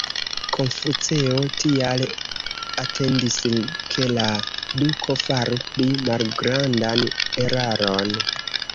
Konfuceo tial atendis ke la duko faru pli malgrandan eraron.